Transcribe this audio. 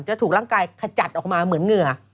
จะถูกร่างกายขจัดออกมาเหมือนเหงื่อ